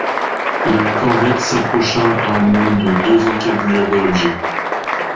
La corvette s’approcha à moins de deux encâblures de l’objet.